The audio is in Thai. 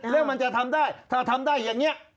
แล้วมันจะทำได้ถ้าทำได้อย่างนี้